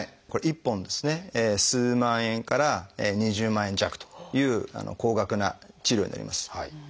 １本ですね数万円から２０万円弱という高額な治療になります。